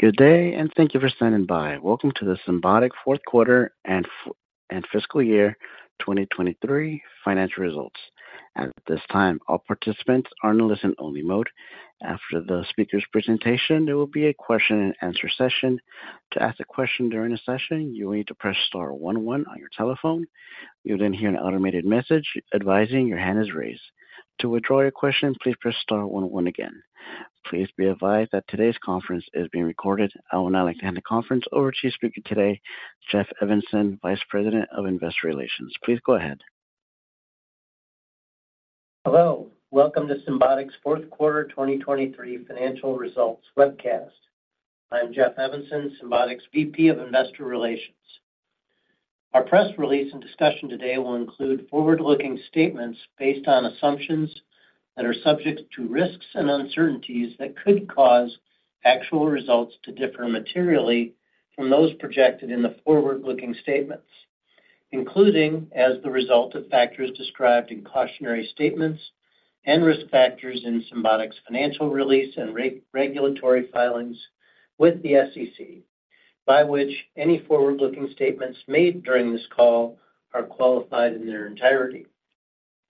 Good day, and thank you for standing by. Welcome to the Symbotic Fourth Quarter and Fiscal Year 2023 Financial Results. At this time, all participants are in a listen-only mode. After the speaker's presentation, there will be a question-and-answer session. To ask a question during the session, you will need to press star one one on your telephone. You'll then hear an automated message advising your hand is raised. To withdraw your question, please press star one, one again. Please be advised that today's conference is being recorded. I would now like to hand the conference over to your speaker today, Jeff Evanson, Vice President of Investor Relations. Please go ahead. Hello. Welcome to Symbotic's fourth quarter 2023 financial results webcast. I'm Jeff Evanson, Symbotic's VP of Investor Relations. Our press release and discussion today will include forward-looking statements based on assumptions that are subject to risks and uncertainties that could cause actual results to differ materially from those projected in the forward-looking statements, including as the result of factors described in cautionary statements and risk factors in Symbotic's financial release and regulatory filings with the SEC, by which any forward-looking statements made during this call are qualified in their entirety.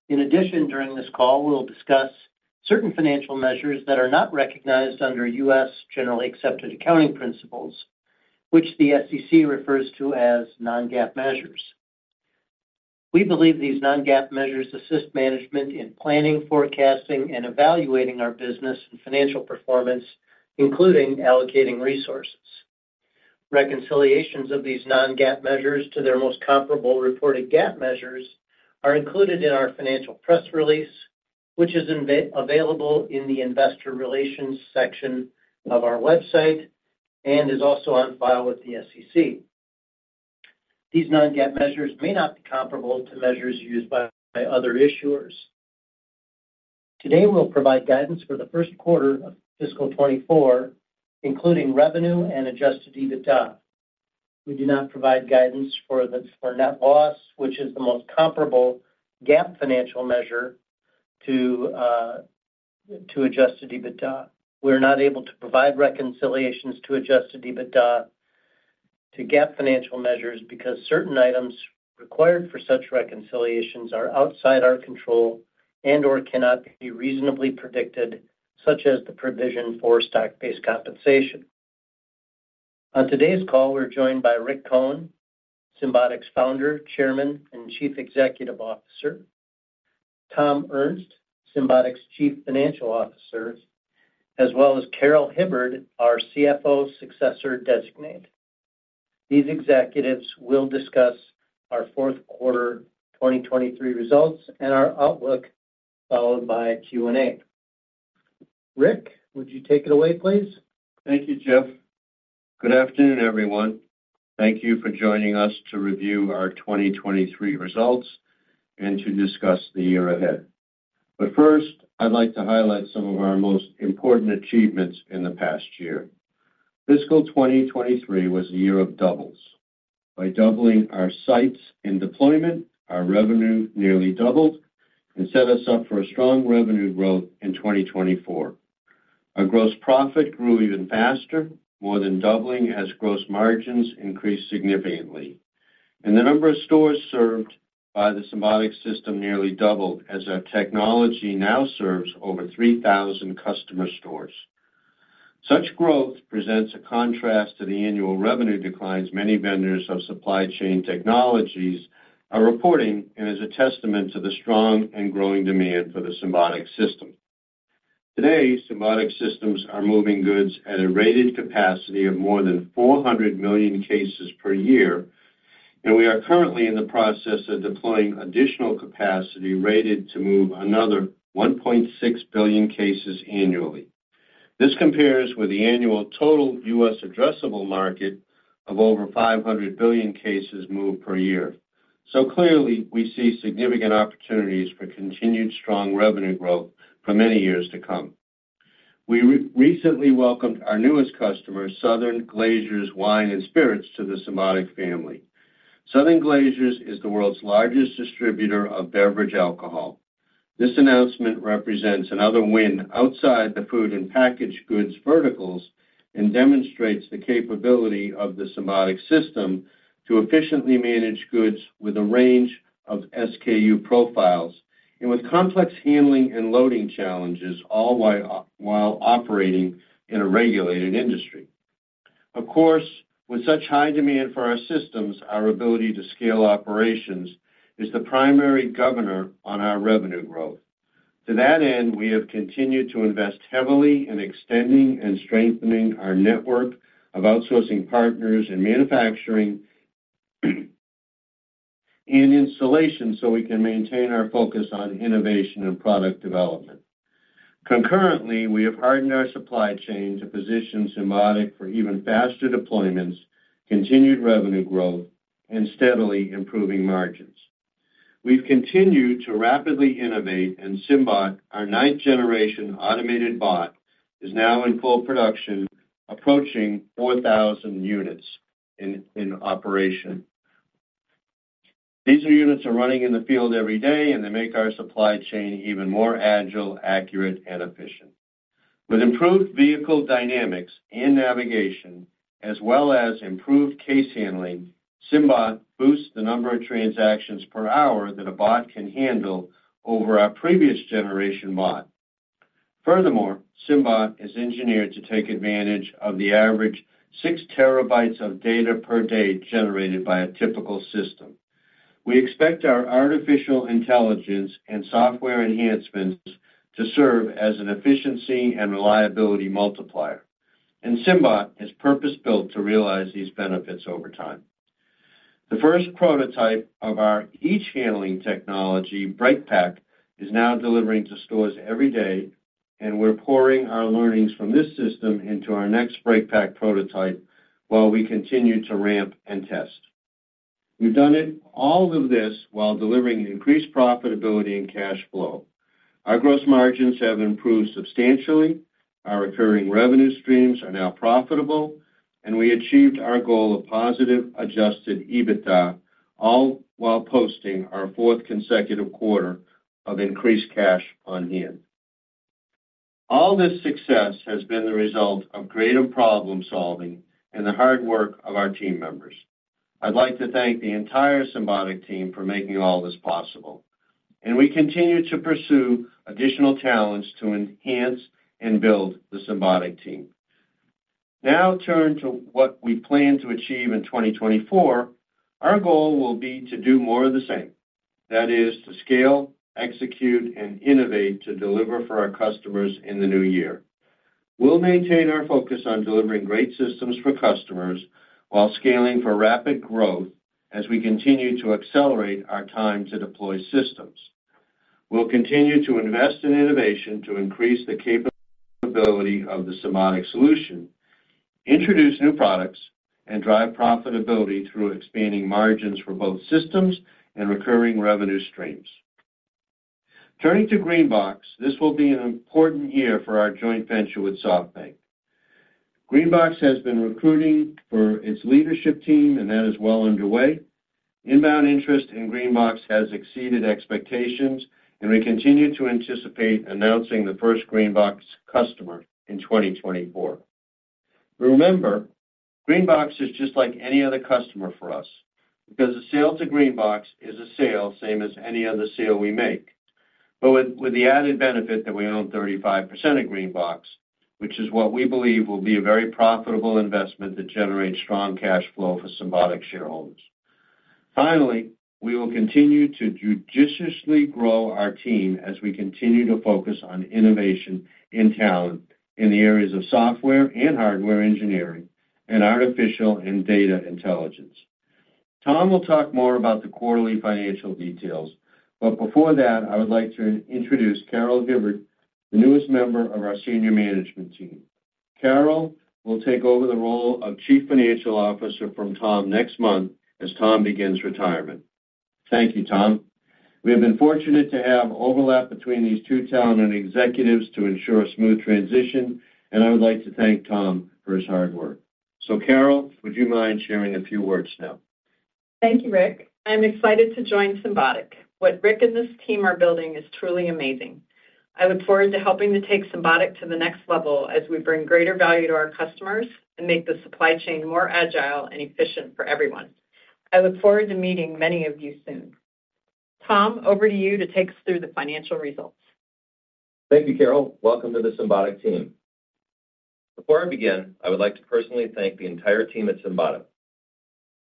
In addition, during this call, we'll discuss certain financial measures that are not recognized under U.S. generally accepted accounting principles, which the SEC refers to as non-GAAP measures. We believe these non-GAAP measures assist management in planning, forecasting, and evaluating our business and financial performance, including allocating resources. Reconciliations of these non-GAAP measures to their most comparable reported GAAP measures are included in our financial press release, which is available in the Investor Relations section of our website and is also on file with the SEC. These non-GAAP measures may not be comparable to measures used by other issuers. Today, we'll provide guidance for the first quarter of fiscal 2024, including revenue and adjusted EBITDA. We do not provide guidance for the, for net loss, which is the most comparable GAAP financial measure to, to adjusted EBITDA. We're not able to provide reconciliations to adjusted EBITDA to GAAP financial measures because certain items required for such reconciliations are outside our control and/or cannot be reasonably predicted, such as the provision for stock-based compensation. On today's call, we're joine`d by Rick Cohen, Symbotic's Founder, Chairman, and Chief Executive Officer, Tom Ernst, Symbotic's Chief Financial Officer as well as Carol Hibbard, our CFO Successor Designate. These executives will discuss our fourth quarter 2023 results and our outlook, followed by a Q&A. Rick, would you take it away, please? Thank you, Jeff. Good afternoon, everyone. Thank you for joining us to review our 2023 results and to discuss the year ahead. But first, I'd like to highlight some of our most important achievements in the past year. Fiscal 2023 was a year of doubles. By doubling our sites and deployment, our revenue nearly doubled and set us up for a strong revenue growth in 2024. Our gross profit grew even faster, more than doubling as gross margins increased significantly, and the number of stores served by the Symbotic system nearly doubled, as our technology now serves over 3,000 customer stores. Such growth presents a contrast to the annual revenue declines many vendors of supply chain technologies are reporting and is a testament to the strong and growing demand for the Symbotic system. Today, Symbotic systems are moving goods at a rated capacity of more than 400 million cases per year, and we are currently in the process of deploying additional capacity, rated to move another 1.6 billion cases annually. This compares with the annual total U.S. addressable market of over 500 billion cases moved per year. So clearly, we see significant opportunities for continued strong revenue growth for many years to come. We recently welcomed our newest customer, Southern Glazer's Wine & Spirits, to the Symbotic family. Southern Glazer's is the world's largest distributor of beverage alcohol. This announcement represents another win outside the food and packaged goods verticals and demonstrates the capability of the Symbotic system to efficiently manage goods with a range of SKU profiles and with complex handling and loading challenges, all while operating in a regulated industry. Of course, with such high demand for our systems, our ability to scale operations is the primary governor on our revenue growth. To that end, we have continued to invest heavily in extending and strengthening our network of outsourcing partners in manufacturing and installation, so we can maintain our focus on innovation and product development. Concurrently, we have hardened our supply chain to position Symbotic for even faster deployments, continued revenue growth, and steadily improving margins. We've continued to rapidly innovate, and SymBot, our ninth generation automated bot, is now in full production, approaching 4,000 units in operation. These units are running in the field every day, and they make our supply chain even more agile, accurate, and efficient. With improved vehicle dynamics and navigation, as well as improved case handling, SymBot boosts the number of transactions per hour that a bot can handle over our previous generation bot. Furthermore, SymBot is engineered to take advantage of the average 6 TB of data per day generated by a typical system. We expect our artificial intelligence and software enhancements to serve as an efficiency and reliability multiplier, and SymBot is purpose-built to realize these benefits over time. The first prototype of our each handling technology, BreakPack, is now delivering to stores every day, and we're pouring our learnings from this system into our next BreakPack prototype while we continue to ramp and test. We've done it, all of this, while delivering increased profitability and cash flow. Our gross margins have improved substantially, our recurring revenue streams are now profitable, and we achieved our goal of positive Adjusted EBITDA, all while posting our fourth consecutive quarter of increased cash on hand. All this success has been the result of creative problem-solving and the hard work of our team members. I'd like to thank the entire Symbotic team for making all this possible, and we continue to pursue additional talents to enhance and build the Symbotic team. Now turn to what we plan to achieve in 2024. Our goal will be to do more of the same. That is, to scale, execute, and innovate to deliver for our customers in the new year. We'll maintain our focus on delivering great systems for customers while scaling for rapid growth as we continue to accelerate our time to deploy systems. We'll continue to invest in innovation to increase the capability of the Symbotic solution, introduce new products, and drive profitability through expanding margins for both systems and recurring revenue streams. Turning to GreenBox, this will be an important year for our joint venture with SoftBank. GreenBox has been recruiting for its leadership team, and that is well underway. Inbound interest in GreenBox has exceeded expectations, and we continue to anticipate announcing the first GreenBox customer in 2024. Remember, GreenBox is just like any other customer for us because a sale to GreenBox is a sale, same as any other sale we make, but with the added benefit that we own 35% of GreenBox, which is what we believe will be a very profitable investment that generates strong cash flow for Symbotic shareholders. Finally, we will continue to judiciously grow our team as we continue to focus on innovation in talent in the areas of software and hardware engineering and artificial and data intelligence. Tom will talk more about the quarterly financial details, but before that, I would like to introduce Carol Hibbard, the newest member of our senior management team. Carol will take over the role of Chief Financial Officer from Tom next month, as Tom begins retirement. Thank you, Tom. We have been fortunate to have overlap between these two talented executives to ensure a smooth transition, and I would like to thank Tom for his hard work. So Carol, would you mind sharing a few words now? Thank you, Rick. I'm excited to join Symbotic. What Rick and this team are building is truly amazing. I look forward to helping to take Symbotic to the next level as we bring greater value to our customers and make the supply chain more agile and efficient for everyone. I look forward to meeting many of you soon. Tom, over to you to take us through the financial results. Thank you, Carol. Welcome to the Symbotic team. Before I begin, I would like to personally thank the entire team at Symbotic.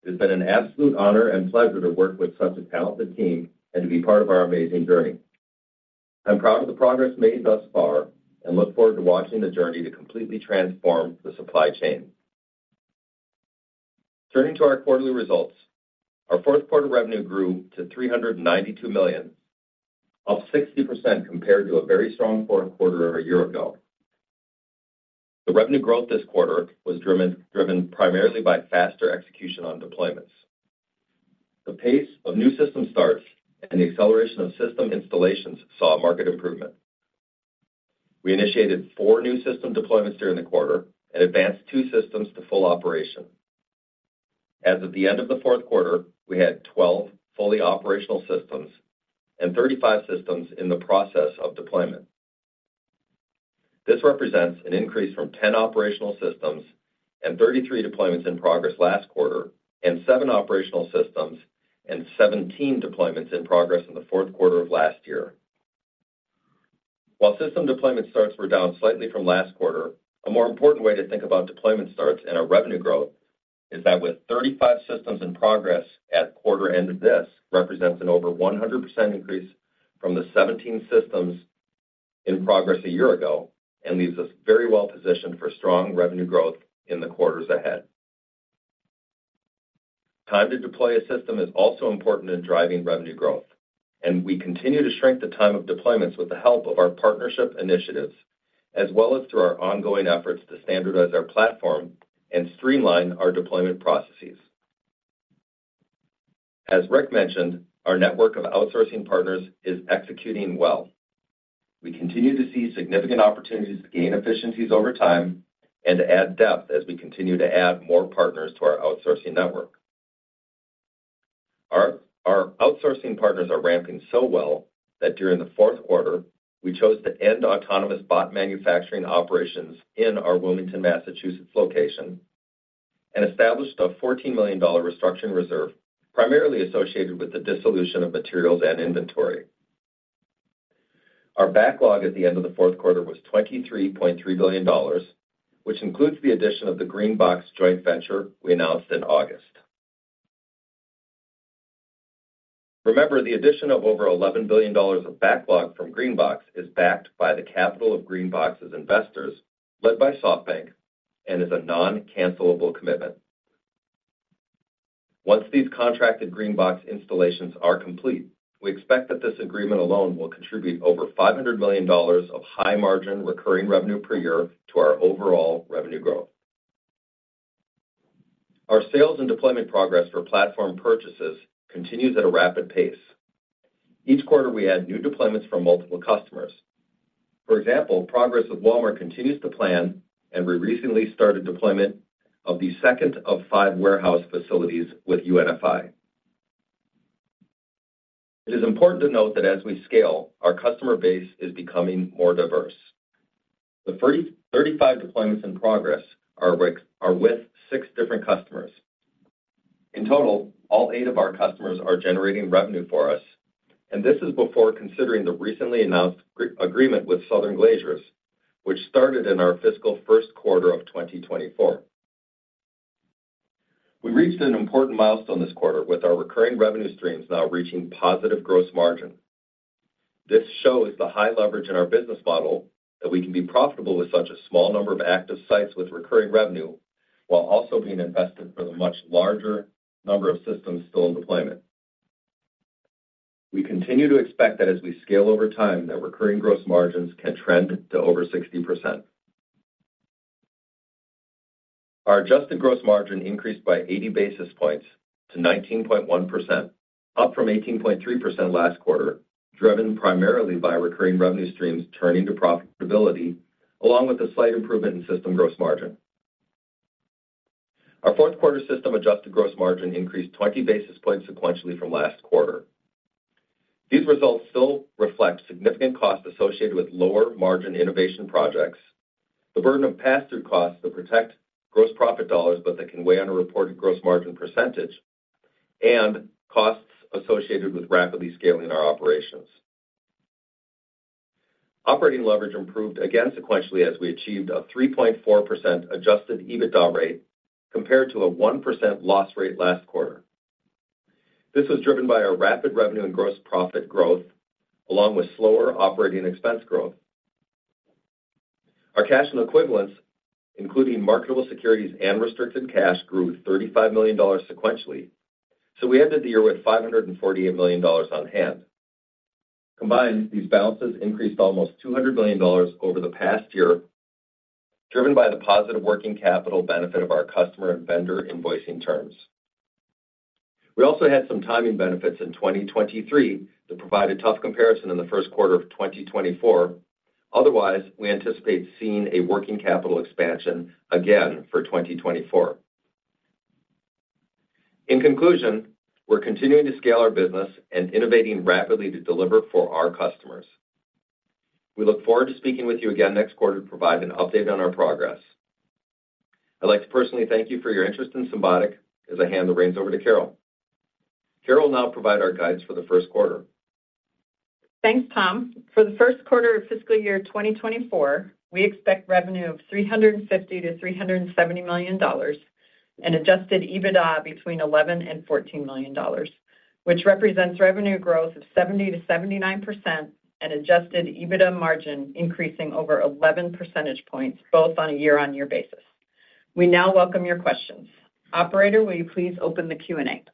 It has been an absolute honor and pleasure to work with such a talented team and to be part of our amazing journey. I'm proud of the progress made thus far and look forward to watching the journey to completely transform the supply chain. Turning to our quarterly results, our fourth quarter revenue grew to $392 million, up 60% compared to a very strong fourth quarter a year ago. The revenue growth this quarter was driven, driven primarily by faster execution on deployments. The pace of new system starts and the acceleration of system installations saw a market improvement. We initiated four new system deployments during the quarter and advanced two systems to full operation. As of the end of the fourth quarter, we had 12 fully operational systems and 35 systems in the process of deployment. This represents an increase from 10 operational systems and 33 deployments in progress last quarter, and seven operational systems and 17 deployments in progress in the fourth quarter of last year. While system deployment starts were down slightly from last quarter, a more important way to think about deployment starts and our revenue growth is that with 35 systems in progress at quarter end of this, represents an over 100% increase from the 17 systems in progress a year ago and leaves us very well positioned for strong revenue growth in the quarters ahead. Time to deploy a system is also important in driving revenue growth, and we continue to shrink the time of deployments with the help of our partnership initiatives, as well as through our ongoing efforts to standardize our platform and streamline our deployment processes. As Rick mentioned, our network of outsourcing partners is executing well. We continue to see significant opportunities to gain efficiencies over time and to add depth as we continue to add more partners to our outsourcing network. Our outsourcing partners are ramping so well that during the fourth quarter, we chose to end autonomous bot manufacturing operations in our Wilmington, Massachusetts location, and established a $14 million restructuring reserve, primarily associated with the dissolution of materials and inventory. Our backlog at the end of the fourth quarter was $23.3 billion, which includes the addition of the GreenBox joint venture we announced in August. Remember, the addition of over $11 billion of backlog from GreenBox is backed by the capital of GreenBox's investors, led by SoftBank, and is a non-cancellable commitment. Once these contracted GreenBox installations are complete, we expect that this agreement alone will contribute over $500 million of high margin, recurring revenue per year to our overall revenue growth. Our sales and deployment progress for platform purchases continues at a rapid pace. Each quarter, we add new deployments from multiple customers. For example, progress with Walmart continues to plan, and we recently started deployment of the second of five warehouse facilities with UNFI. It is important to note that as we scale, our customer base is becoming more diverse. The 35 deployments in progress are with six different customers. In total, all eight of our customers are generating revenue for us, and this is before considering the recently announced agreement with Southern Glazer's, which started in our fiscal first quarter of 2024. We reached an important milestone this quarter with our recurring revenue streams now reaching positive gross margin. This shows the high leverage in our business model that we can be profitable with such a small number of active sites with recurring revenue, while also being invested for the much larger number of systems still in deployment. We continue to expect that as we scale over time, that recurring gross margins can trend to over 60%. Our adjusted gross margin increased by 80 basis points to 19.1%, up from 18.3% last quarter, driven primarily by recurring revenue streams turning to profitability, along with a slight improvement in system gross margin. Our fourth quarter system adjusted gross margin increased 20 basis points sequentially from last quarter. These results still reflect significant costs associated with lower margin innovation projects, the burden of pass-through costs that protect gross profit dollars, but that can weigh on a reported gross margin percentage, and costs associated with rapidly scaling our operations. Operating leverage improved again sequentially as we achieved a 3.4% adjusted EBITDA rate, compared to a 1% loss rate last quarter. This was driven by our rapid revenue and gross profit growth, along with slower operating expense growth. Our cash and equivalents, including marketable securities and restricted cash, grew $35 million sequentially, so we ended the year with $548 million on hand. Combined, these balances increased almost $200 million over the past year, driven by the positive working capital benefit of our customer and vendor invoicing terms. We also had some timing benefits in 2023 that provided tough comparison in the first quarter of 2024. Otherwise, we anticipate seeing a working capital expansion again for 2024. In conclusion, we're continuing to scale our business and innovating rapidly to deliver for our customers. We look forward to speaking with you again next quarter to provide an update on our progress. I'd like to personally thank you for your interest in Symbotic as I hand the reins over to Carol. Carol will now provide our guides for the first quarter. Thanks, Tom. For the first quarter of fiscal year 2024, we expect revenue of $350 million-$370 million and Adjusted EBITDA between $11 million and $14 million, which represents revenue growth of 70%-79% and Adjusted EBITDA margin increasing over 11 percentage points, both on a year-on-year basis. We now welcome your questions. Operator, will you please open the Q&A?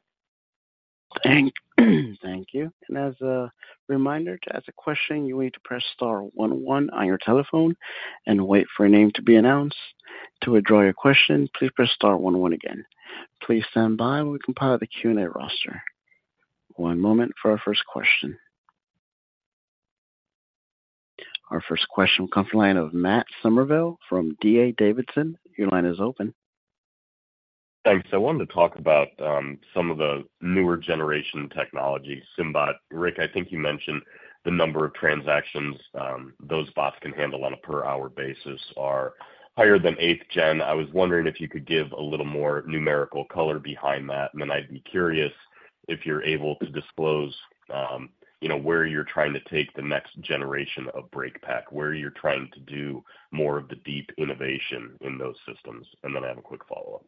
Thank you. As a reminder, to ask a question, you need to press star one, one on your telephone and wait for a name to be announced. To withdraw your question, please press star one, one again. Please stand by while we compile the Q&A roster. One moment for our first question. Our first question will come from the line of Matt Summerville from D.A. Davidson. Your line is open. Thanks. I wanted to talk about, some of the newer generation technology, SymBot. Rick, I think you mentioned the number of transactions, those bots can handle on a per hour basis are higher than 8th-gen. I was wondering if you could give a little more numerical color behind that, and then I'd be curious if you're able to disclose, you know, where you're trying to take the next generation of BreakPack, where you're trying to do more of the deep innovation in those systems, and then I have a quick follow-up.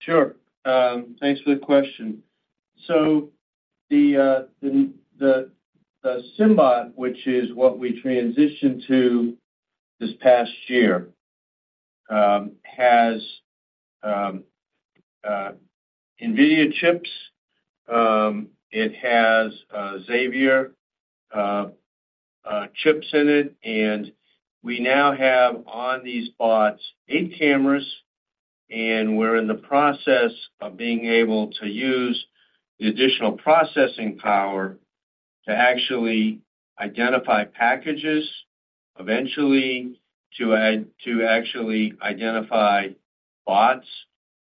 Sure. Thanks for the question. So the SymBot, which is what we transitioned to this past year, has NVIDIA chips, it has Xavier chips in it, and we now have on these bots eight cameras, and we're in the process of being able to use the additional processing power to actually identify packages, eventually, to add, to actually identify bots,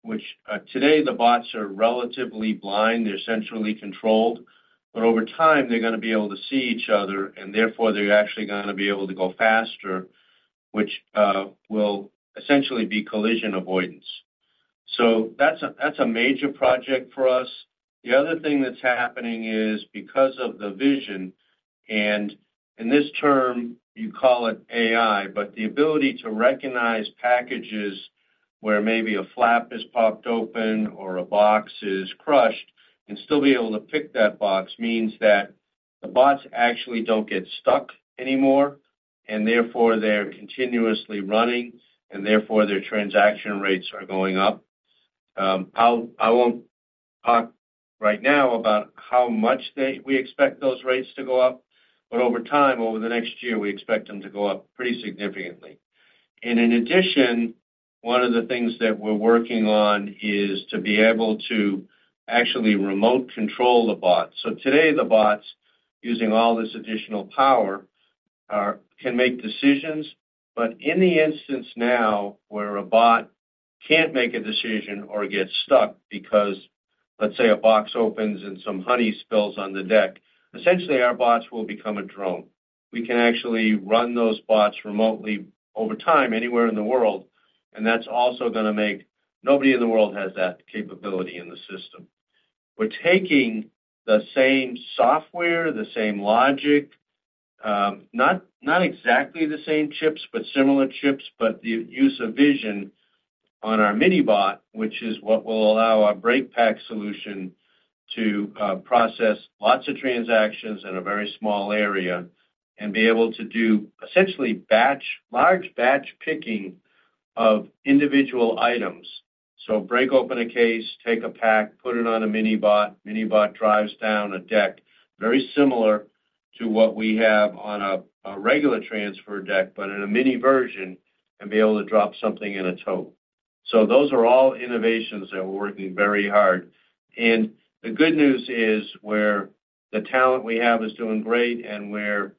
which, today the bots are relatively blind. They're centrally controlled, but over time, they're gonna be able to see each other, and therefore, they're actually gonna be able to go faster, which, will essentially be collision avoidance. So that's a, that's a major project for us. The other thing that's happening is because of the vision, and in this term, you call it AI, but the ability to recognize packages where maybe a flap is popped open or a box is crushed and still be able to pick that box, means that the bots actually don't get stuck anymore, and therefore they're continuously running, and therefore their transaction rates are going up. I won't talk right now about how much they, we expect those rates to go up, but over time, over the next year, we expect them to go up pretty significantly. And in addition, one of the things that we're working on is to be able to actually remote control the bot. So today, the bots, using all this additional power, can make decisions, but in the instance now where a bot can't make a decision or gets stuck because, let's say, a box opens and some honey spills on the deck, essentially our bots will become a drone. We can actually run those bots remotely over time, anywhere in the world, and that's also gonna make. Nobody in the world has that capability in the system. We're taking the same software, the same logic, not exactly the same chips, but similar chips, but the use of vision on our mini bot, which is what will allow our BreakPack solution to process lots of transactions in a very small area and be able to do, essentially, batch, large batch picking of individual items. So break open a case, take a pack, put it on a mini bot, mini bot drives down a deck, very similar to what we have on a regular transfer deck, but in a mini version, and be able to drop something in a tote. So those are all innovations that we're working very hard. And the good news is, we're the talent we have is doing great, and we're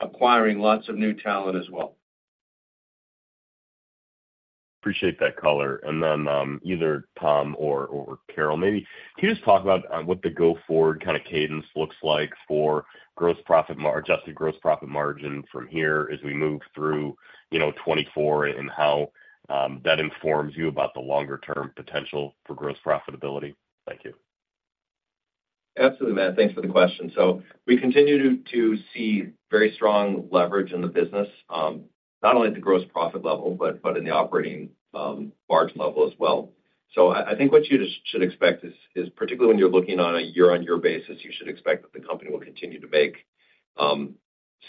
acquiring lots of new talent as well. Appreciate that color. And then, either Tom or Carol, maybe can you just talk about what the go forward kinda cadence looks like for gross profit margin, adjusted gross profit margin from here as we move through, you know, 2024, and how that informs you about the longer term potential for gross profitability? Thank you. Absolutely, Matt. Thanks for the question. So we continue to see very strong leverage in the business, not only at the gross profit level, but in the operating margin level as well. So I think what you should expect is particularly when you're looking on a year-on-year basis, you should expect that the company will continue to make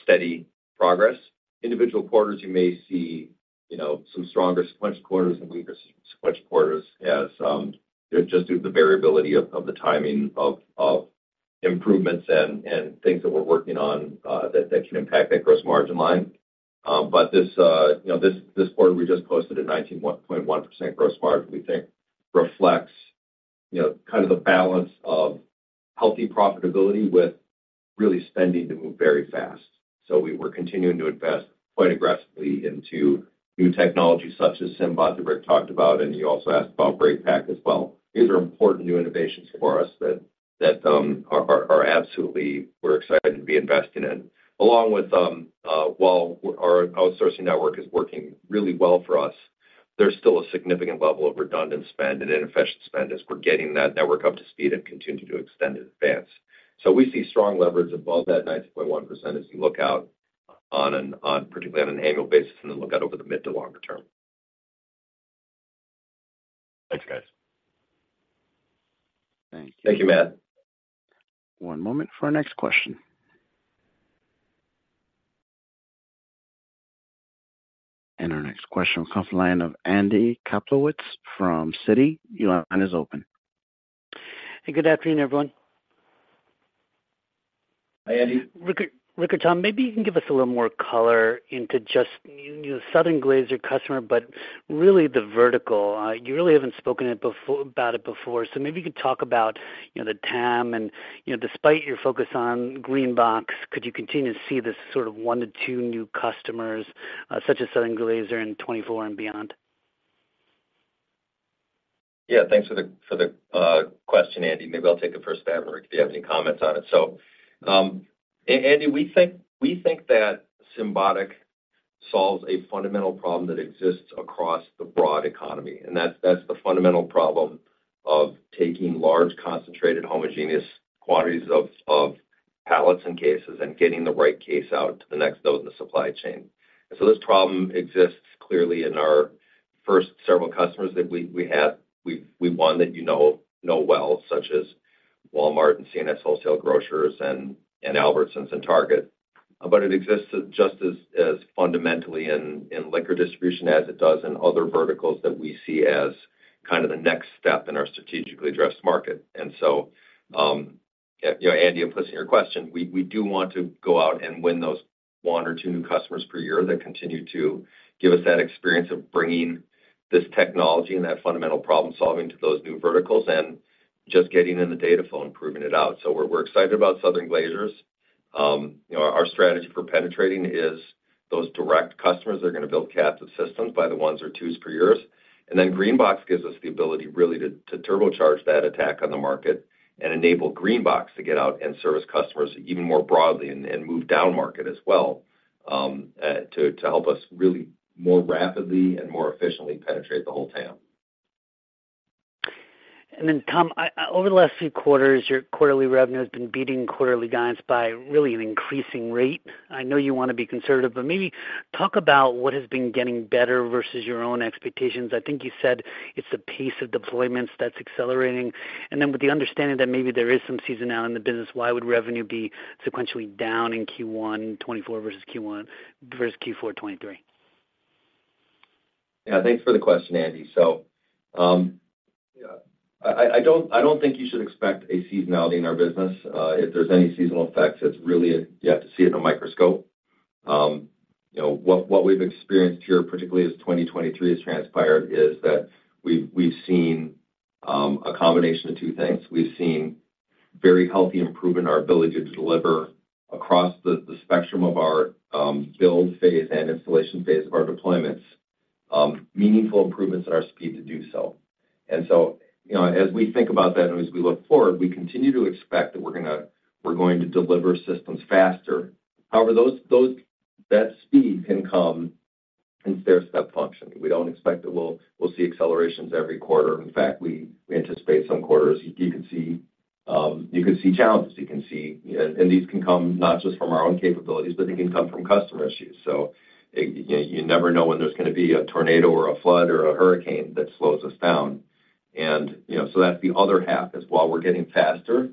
steady progress. Individual quarters, you may see, you know, some stronger sequential quarters and weaker sequential quarters as just due to the variability of the timing of improvements and things that we're working on, that can impact that gross margin line. But this, you know, this quarter, we just posted a 19.1% gross margin, we think reflects, you know, kind of the balance of healthy profitability with really spending to move very fast. So we're continuing to invest quite aggressively into new technologies such as Symbotic, that Rick talked about, and you also asked about BreakPack as well. These are important new innovations for us that are absolutely we're excited to be investing in. Along with, while our outsourcing network is working really well for us, there's still a significant level of redundant spend and inefficient spend as we're getting that network up to speed and continuing to extend and advance. So we see strong leverage above that 19.1% as you look out, particularly on an annual basis and then look out over the mid- to longer-term. Thanks, guys. Thank you, Matt. One moment for our next question. Our next question comes from the line of Andy Kaplowitz from Citi. Your line is open. Hey, good afternoon, everyone. Hi, Andy. Rick or Tom, maybe you can give us a little more color into just, you know, Southern Glazer's customer, but really the vertical. You really haven't spoken it before, about it before, so maybe you could talk about, you know, the TAM, and, you know, despite your focus on GreenBox, could you continue to see this sort of 1-2 new customers, such as Southern Glazer's in 2024 and beyond? Yeah, thanks for the, for the question, Andy. Maybe I'll take a first stab, and Rick, if you have any comments on it. So, Andy, we think, we think that Symbotic solves a fundamental problem that exists across the broad economy, and that's, that's the fundamental problem of taking large, concentrated, homogeneous quantities of pallets and cases and getting the right case out to the next node in the supply chain. And so this problem exists clearly in our first several customers that we've won that you know well, such as Walmart and C&S Wholesale Grocers and Albertsons and Target. But it exists just as fundamentally in liquor distribution as it does in other verticals that we see as kind of the next step in our strategically addressed market. And so. Yeah, Andy, implicit in your question, we do want to go out and win those one or two new customers per year that continue to give us that experience of bringing this technology and that fundamental problem-solving to those new verticals, and just getting in the data flow and proving it out. So we're excited about Southern Glazer's. You know, our strategy for penetrating is those direct customers that are gonna build captive systems by the ones or twos per years. And then GreenBox gives us the ability really to turbocharge that attack on the market and enable GreenBox to get out and service customers even more broadly and move down market as well, to help us really more rapidly and more efficiently penetrate the whole TAM. And then, Tom, I over the last few quarters, your quarterly revenue has been beating quarterly guidance by really an increasing rate. I know you wanna be conservative, but maybe talk about what has been getting better versus your own expectations. I think you said it's the pace of deployments that's accelerating. And then with the understanding that maybe there is some seasonality in the business, why would revenue be sequentially down in Q1 2024 versus Q4 2023? Yeah, thanks for the question, Andy. So, yeah, I don't think you should expect a seasonality in our business. If there's any seasonal effects, it's really, you have to see it in a microscope. You know, what we've experienced here, particularly as 2023 has transpired, is that we've seen a combination of two things. We've seen very healthy improvement in our ability to deliver across the spectrum of our build phase and installation phase of our deployments, meaningful improvements in our speed to do so. And so, you know, as we think about that and as we look forward, we continue to expect that we're going to deliver systems faster. However, that speed can come in stair-step function. We don't expect that we'll see accelerations every quarter. In fact, we anticipate some quarters you can see, you can see challenges, you can see... And these can come not just from our own capabilities, but they can come from customer issues. So you never know when there's gonna be a tornado or a flood or a hurricane that slows us down. And, you know, so that's the other half is while we're getting faster,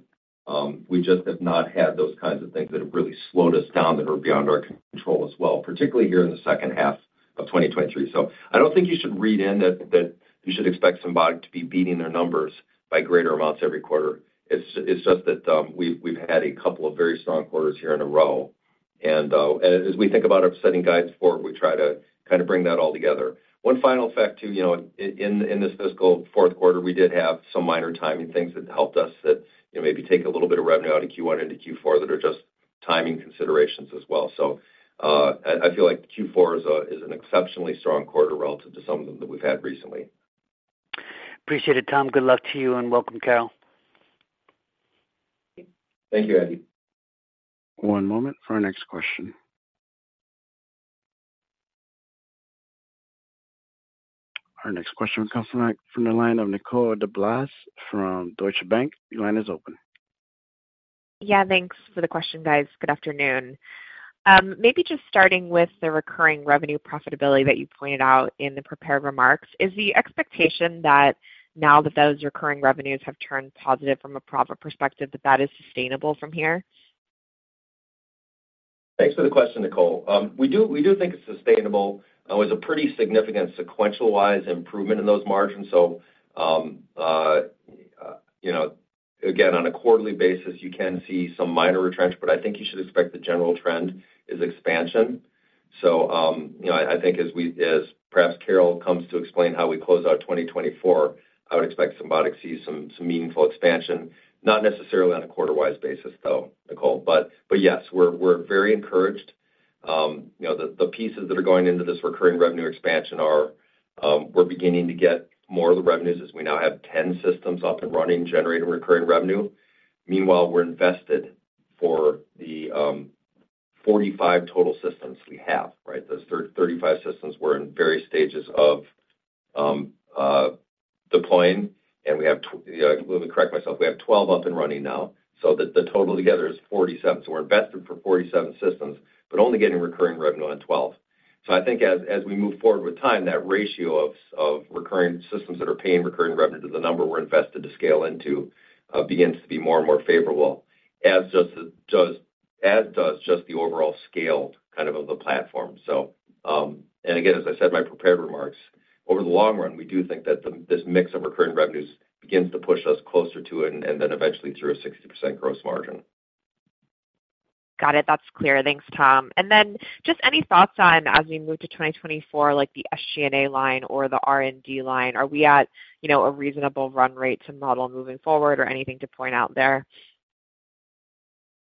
we just have not had those kinds of things that have really slowed us down, that are beyond our control as well, particularly here in the second half of 2023. So I don't think you should read in that, that you should expect Symbotic to be beating their numbers by greater amounts every quarter. It's just that, we've had a couple of very strong quarters here in a row, and as we think about our setting guidance forward, we try to kind of bring that all together. One final fact, too, you know, in this fiscal fourth quarter, we did have some minor timing things that helped us, you know, maybe take a little bit of revenue out of Q1 into Q4, that are just timing considerations as well. So, I feel like Q4 is an exceptionally strong quarter relative to some of them that we've had recently. Appreciate it, Tom. Good luck to you, and welcome, Carol. Thank you, Andy. One moment for our next question. Our next question comes from the line of Nicole DeBlase from Deutsche Bank. Your line is open. Yeah, thanks for the question, guys. Good afternoon. Maybe just starting with the recurring revenue profitability that you pointed out in the prepared remarks. Is the expectation that now that those recurring revenues have turned positive from a profit perspective, that that is sustainable from here? Thanks for the question, Nicole. We do, we do think it's sustainable. It's a pretty significant sequential wise improvement in those margins. So, you know, again, on a quarterly basis, you can see some minor retrench, but I think you should expect the general trend is expansion. So, you know, I, I think as we—as perhaps Carol comes to explain how we close out 2024, I would expect Symbotic to see some, some meaningful expansion, not necessarily on a quarter wise basis, though, Nicole. But, but yes, we're, we're very encouraged. You know, the, the pieces that are going into this recurring revenue expansion are, we're beginning to get more of the revenues as we now have 10 systems up and running, generating recurring revenue. Meanwhile, we're invested for the, 45 total systems we have, right? Those 35 systems were in various stages of deploying, and we have—Let me correct myself. We have 12 up and running now, so the total together is 47. So we're invested for 47 systems, but only getting recurring revenue on 12. So I think as we move forward with time, that ratio of recurring systems that are paying recurring revenue to the number we're invested to scale into begins to be more and more favorable, as just does, as does just the overall scale kind of the platform. So, and again, as I said in my prepared remarks, over the long run, we do think that this mix of recurring revenues begins to push us closer to it and, and then eventually through a 60% gross margin. Got it. That's clear. Thanks, Tom. And then just any thoughts on as we move to 2024, like the SG&A line or the R&D line, are we at, you know, a reasonable run rate to model moving forward or anything to point out there?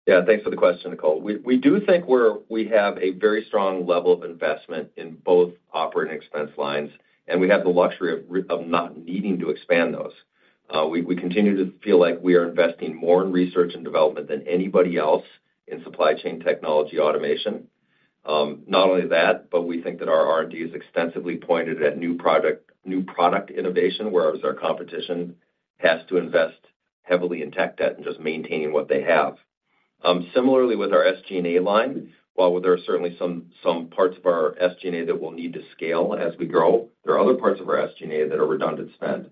Yeah, thanks for the question, Nicole. We do think we have a very strong level of investment in both operating expense lines, and we have the luxury of not needing to expand those. We continue to feel like we are investing more in research and development than anybody else in supply chain technology automation. Not only that, but we think that our R&D is extensively pointed at new product innovation, whereas our competition has to invest heavily in tech debt and just maintaining what they have. Similarly with our SG&A line, while there are certainly some parts of our SG&A that we'll need to scale as we grow, there are other parts of our SG&A that are redundant spend.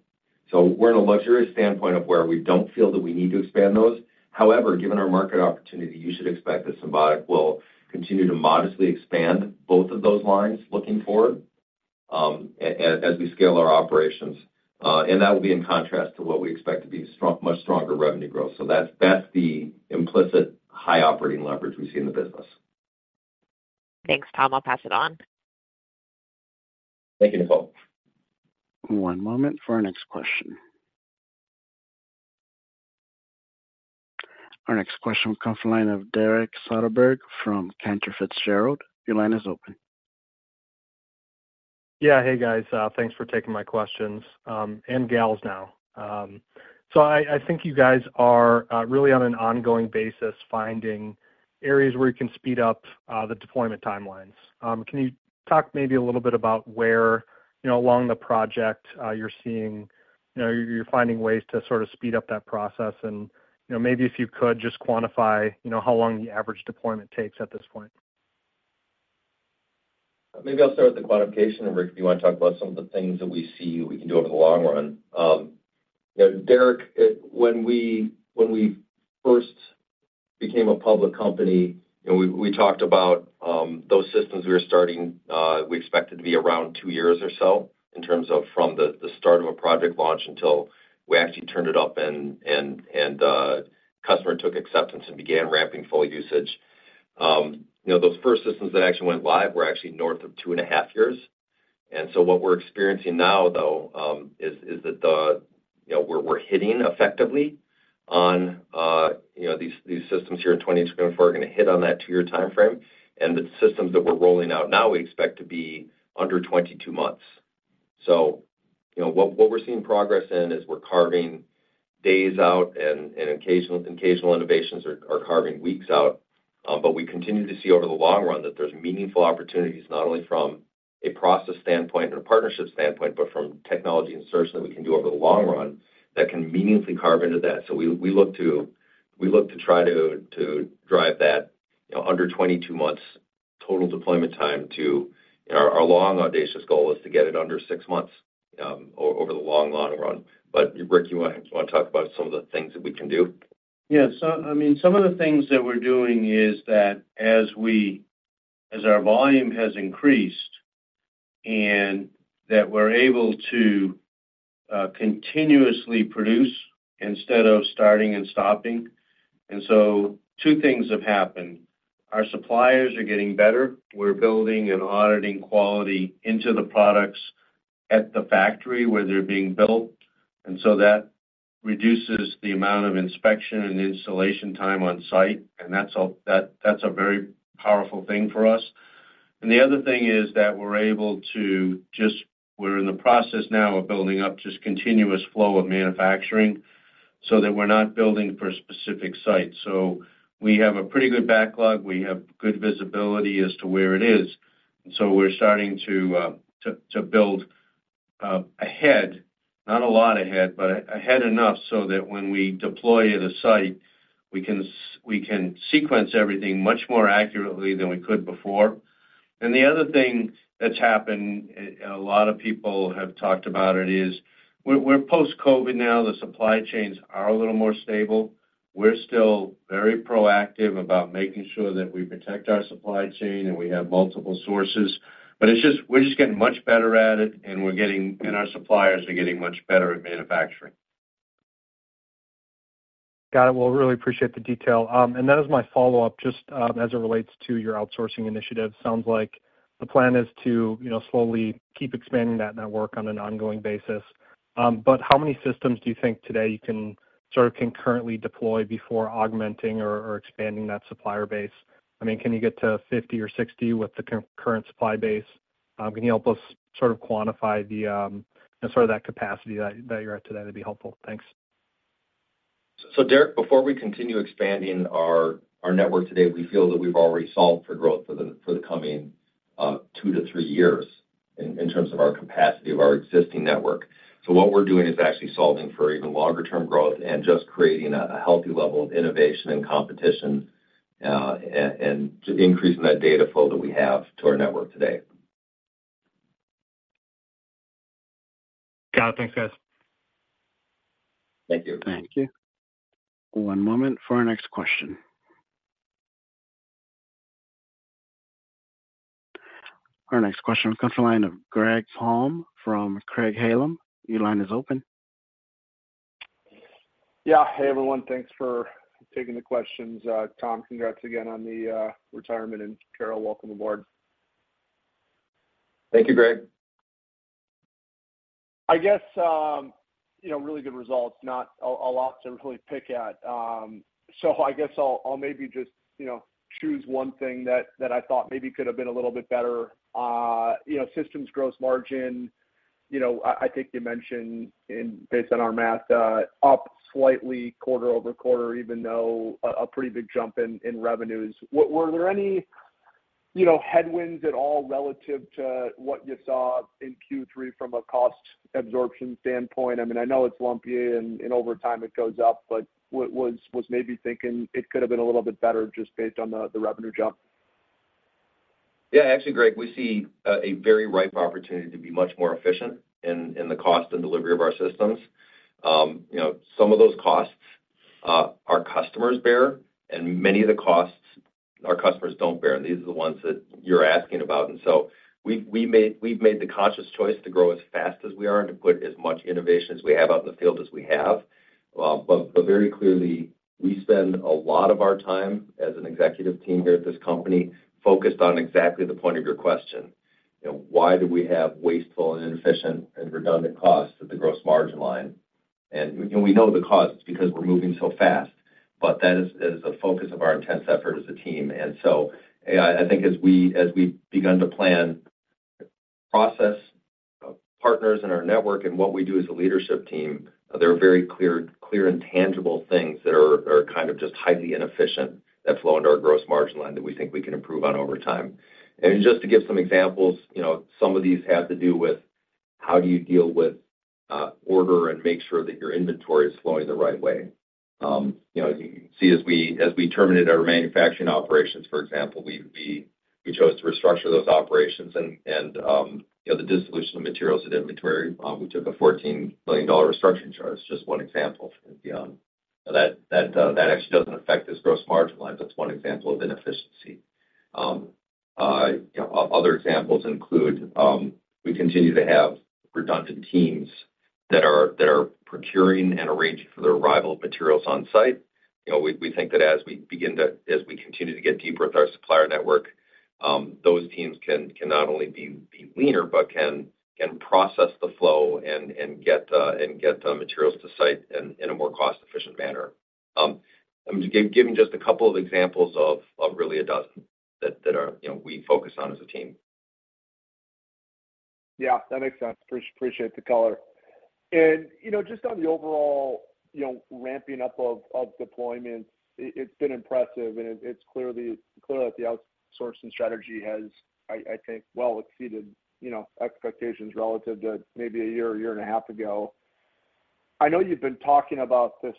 So we're in a luxurious standpoint of where we don't feel that we need to expand those. However, given our market opportunity, you should expect that Symbotic will continue to modestly expand both of those lines looking forward... as we scale our operations, and that will be in contrast to what we expect to be strong—much stronger revenue growth. So that's, that's the implicit high operating leverage we see in the business. Thanks, Tom. I'll pass it on. Thank you, Nicole. One moment for our next question. Our next question comes from the line of Derek Soderberg from Cantor Fitzgerald. Your line is open. Yeah. Hey, guys, thanks for taking my questions, and gals now. So, I think you guys are really on an ongoing basis finding areas where you can speed up the deployment timelines. Can you talk maybe a little bit about where, you know, along the project, you're seeing, you know, you're finding ways to sort of speed up that process? And, you know, maybe if you could just quantify, you know, how long the average deployment takes at this point. Maybe I'll start with the quantification, and Rick, if you want to talk about some of the things that we see we can do over the long run. You know, Derek, when we first became a public company, and we talked about those systems we were starting, we expected to be around two years or so in terms of from the start of a project launch until we actually turned it up and customer took acceptance and began ramping full usage. You know, those first systems that actually went live were actually north of two and a half years. And so what we're experiencing now, though, is that the, you know, we're hitting effectively on, you know, these systems here in 2022 are gonna hit on that two-year timeframe, and the systems that we're rolling out now, we expect to be under 22 months. So, you know, what we're seeing progress in is we're carving days out, and occasional innovations are carving weeks out. But we continue to see over the long run that there's meaningful opportunities, not only from a process standpoint and a partnership standpoint, but from technology and search that we can do over the long run that can meaningfully carve into that. So we look to try to drive that, you know, under 22 months total deployment time to. Our long audacious goal is to get it under six months, over the long, long run. But, Rick, you wanna talk about some of the things that we can do? Yeah. So, I mean, some of the things that we're doing is that as we—as our volume has increased and that we're able to continuously produce instead of starting and stopping. And so two things have happened. Our suppliers are getting better. We're building and auditing quality into the products at the factory where they're being built, and so that reduces the amount of inspection and installation time on site, and that's a very powerful thing for us. And the other thing is that we're able to just, we're in the process now of building up just continuous flow of manufacturing so that we're not building for a specific site. So we have a pretty good backlog. We have good visibility as to where it is. So we're starting to build ahead, not a lot ahead, but ahead enough so that when we deploy at a site, we can sequence everything much more accurately than we could before. And the other thing that's happened, a lot of people have talked about it, is we're post-COVID now. The supply chains are a little more stable. We're still very proactive about making sure that we protect our supply chain, and we have multiple sources. But it's just, we're just getting much better at it, and we're getting... And our suppliers are getting much better at manufacturing. Got it. Well, really appreciate the detail. That is my follow-up, just, as it relates to your outsourcing initiative. Sounds like the plan is to, you know, slowly keep expanding that network on an ongoing basis. But how many systems do you think today you can sort of concurrently deploy before augmenting or expanding that supplier base? I mean, can you get to 50 or 60 with the current supply base? Can you help us sort of quantify the, you know, sort of that capacity that you're at today? That'd be helpful. Thanks. So, Derek, before we continue expanding our network today, we feel that we've already solved for growth for the coming 2-3 years in terms of our capacity of our existing network. So what we're doing is actually solving for even longer term growth and just creating a healthy level of innovation and competition, and increasing that data flow that we have to our network today. Got it. Thanks, guys. Thank you. Thank you. One moment for our next question. Our next question comes from the line of Greg Palm from Craig-Hallum. Your line is open. Yeah. Hey, everyone. Thanks for taking the questions. Tom, congrats again on the retirement, and, Carol, welcome aboard. Thank you, Greg. I guess, you know, really good results, not a lot to really pick at. So I guess I'll maybe just, you know, choose one thing that I thought maybe could have been a little bit better. You know, systems gross margin, you know, I think you mentioned and based on our math, up slightly quarter-over-quarter, even though a pretty big jump in revenues. Were there any, you know, headwinds at all relative to what you saw in Q3 from a cost absorption standpoint? I mean, I know it's lumpy and over time it goes up, but I was maybe thinking it could have been a little bit better just based on the revenue jump? Yeah, actually, Greg, we see a very ripe opportunity to be much more efficient in the cost and delivery of our systems. You know, some of those costs our customers bear, and many of the costs our customers don't bear, and these are the ones that you're asking about. And so we've made the conscious choice to grow as fast as we are and to put as much innovation as we have out in the field as we have. But very clearly, we spend a lot of our time as an executive team here at this company, focused on exactly the point of your question. You know, why do we have wasteful and inefficient and redundant costs at the gross margin line? And we know the cause, it's because we're moving so fast, but that is a focus of our intense effort as a team. And so I think as we've begun to plan process, partners in our network and what we do as a leadership team, there are very clear and tangible things that are kind of just highly inefficient that flow into our gross margin line that we think we can improve on over time. Just to give some examples, you know, some of these have to do with how do you deal with order and make sure that your inventory is flowing the right way? You know, you see, as we terminated our manufacturing operations, for example, we chose to restructure those operations and, you know, the dissolution of materials and inventory, we took a $14 million restructuring charge. Just one example. That actually doesn't affect this gross margin line. That's one example of inefficiency. Other examples include, we continue to have redundant teams that are procuring and arranging for the arrival of materials on site. You know, we think that as we begin to... as we continue to get deeper with our supplier network, those teams can not only be leaner, but can process the flow and get the materials to site in a more cost-efficient manner. I'm giving just a couple of examples of really a dozen that are, you know, we focus on as a team. Yeah, that makes sense. Appreciate the color. And, you know, just on the overall, you know, ramping up of deployments, it's been impressive, and it's clearly the outsourcing strategy has, I think, well exceeded, you know, expectations relative to maybe a year or year and a half ago. I know you've been talking about this,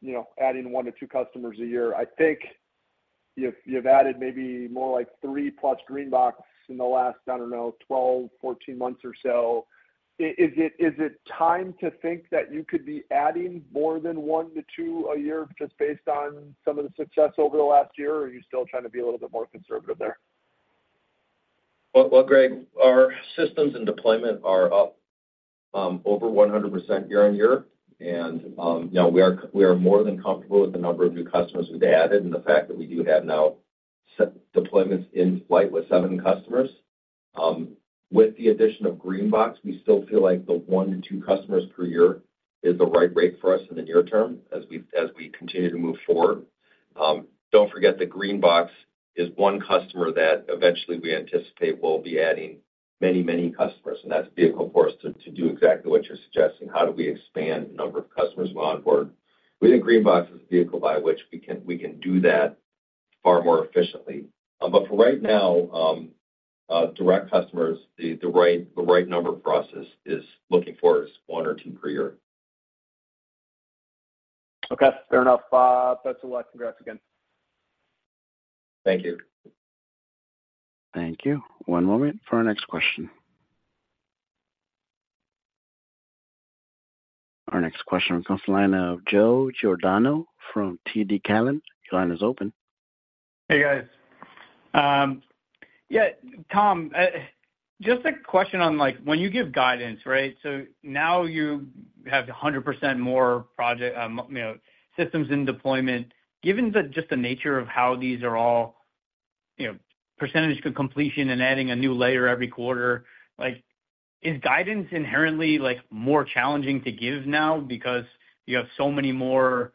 you know, adding 1-2 customers a year. I think you've added maybe more like 3+ GreenBox in the last, I don't know, 12, 14 months or so. Is it time to think that you could be adding more than 1-2 a year just based on some of the success over the last year? Or are you still trying to be a little bit more conservative there? Well, well, Greg, our systems and deployment are up over 100% year-on-year, and, you know, we are, we are more than comfortable with the number of new customers we've added and the fact that we do have now seven deployments in flight with seven customers. With the addition of GreenBox, we still feel like the 1-2 customers per year is the right rate for us in the near term, as we continue to move forward. Don't forget, the GreenBox is one customer that eventually we anticipate will be adding many, many customers, and that's a vehicle for us to do exactly what you're suggesting. How do we expand the number of customers who are onboard? We think GreenBox is a vehicle by which we can do that far more efficiently. But for right now, direct customers, the right number for us is one or two per year. Okay, fair enough, that's a lot. Congrats again. Thank you. Thank you. One moment for our next question. Our next question comes from the lane of Joe Giordano from TD Cowen. Your line is open. Hey, guys. Yeah, Tom, just a question on, like, when you give guidance, right? So now you have 100% more project, you know, systems in deployment. Given the, just the nature of how these are all, you know, percentage of completion and adding a new layer every quarter, like, is guidance inherently, like, more challenging to give now because you have so many more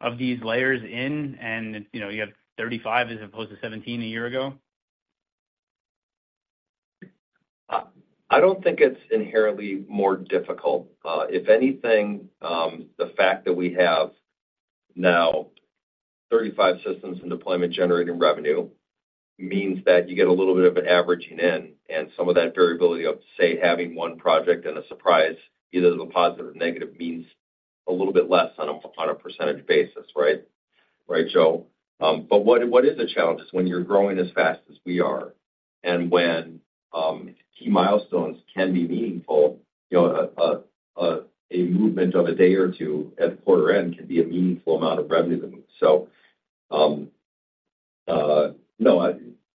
of these layers in and, you know, you have 35 as opposed to 17 a year ago? I don't think it's inherently more difficult. If anything, the fact that we have now 35 systems in deployment generating revenue means that you get a little bit of an averaging in, and some of that variability of, say, having one project and a surprise, either the positive or negative, means a little bit less on a, on a percentage basis, right? Right, Joe? But what, what is a challenge is when you're growing as fast as we are and when, key milestones can be meaningful, you know, a movement of a day or two at the quarter end can be a meaningful amount of revenue. So, no, I...